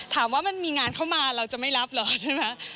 ถามว่ามันมีงานเข้ามาเราจะไม่รับเหรอใช่ไหม